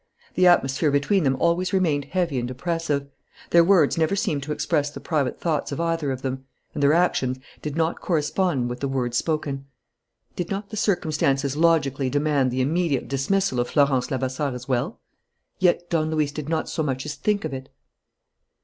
The atmosphere between them always remained heavy and oppressive. Their words never seemed to express the private thoughts of either of them; and their actions did not correspond with the words spoken. Did not the circumstances logically demand the immediate dismissal of Florence Levasseur as well? Yet Don Luis did not so much as think of it.